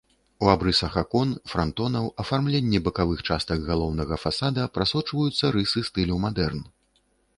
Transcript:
У абрысах акон, франтонаў, афармленні бакавых частак галоўнага фасада прасочваюцца рысы стылю мадэрн.